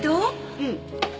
うん。